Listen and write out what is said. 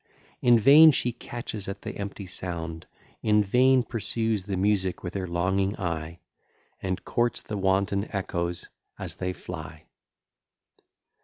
In vain she catches at the empty sound, In vain pursues the music with her longing eye, And courts the wanton echoes as they fly.